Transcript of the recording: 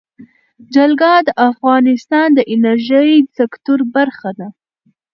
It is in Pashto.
جلګه د افغانستان د انرژۍ سکتور برخه ده.